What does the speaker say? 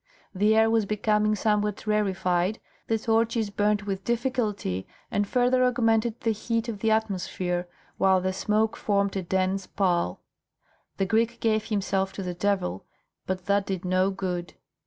The air was becoming somewhat rarified, the torches burned with difficulty and further augmented the heat of the atmosphere, while the smoke formed a dense pall. The Greek gave himself to the devil, but that did no good.